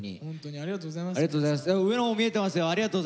ありがとうございます。